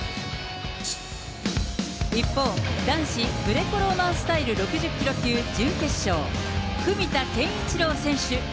一方、男子グレコローマンスタイル６０キロ級準決勝、文田健一郎選手。